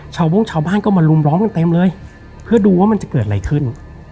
โบ้งชาวบ้านก็มาลุมล้อมกันเต็มเลยเพื่อดูว่ามันจะเกิดอะไรขึ้น